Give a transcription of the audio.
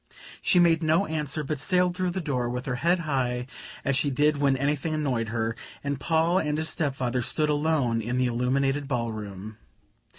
She made no answer, but sailed through the door with her head high, as she did when anything annoyed her; and Paul and his step father stood alone in the illuminated ball room.